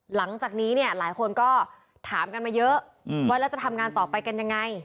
หลังจากนี้เนี่ยหลายคนก็ถามกันมาเยอะว่าแล้วจะทำงานต่อไปกันยังไง